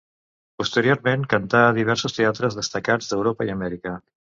Posteriorment cantà a diversos teatres destacats d'Europa i Amèrica.